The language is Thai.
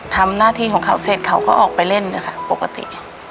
ทำหน้าที่ของเขาเสร็จเขาก็ออกไปเล่นนะคะปกติ